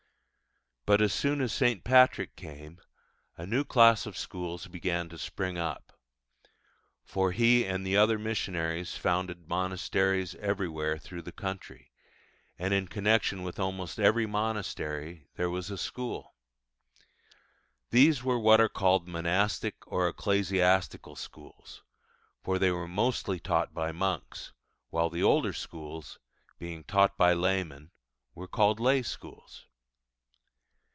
But as soon as St. Patrick came, a new class of schools began to spring up; for he and the other early missionaries founded monasteries everywhere through the country, and in connexion with almost every monastery there was a school. These were what are called monastic or ecclesiastical schools, for they were mostly taught by monks; while the older schools, being taught by laymen, were called lay schools.